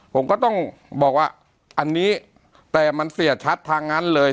ผมก็ต้องบอกว่าอันนี้แต่มันเสียชัดทางนั้นเลย